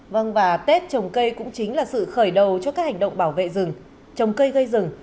vâng và tết trồng cây cũng chính là sự khởi đầu cho các hành động bảo vệ rừng trồng cây gây rừng